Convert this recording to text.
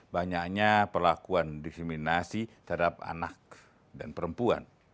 banyaknya perlakuan diskriminasi terhadap anak dan perempuan